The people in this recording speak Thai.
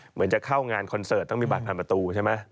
เหมือนจะเข้างานคอนเสิร์ตต้องมีบัตรผ่านประตูใช่ไหม